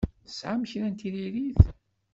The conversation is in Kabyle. Tesɛam kra n tiririt?